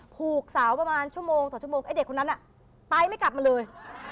ผูกสาวประมาณ๑ชั่วโมง๘ชั่วโมงไอเด็กนั้นอะตายไม่กลับมาเลย